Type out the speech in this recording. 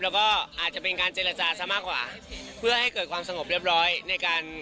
แล้วก็อาจจะเป็นการเจรจาซะมากกว่าเพื่อให้เกิดความสงบเรียบร้อยในการ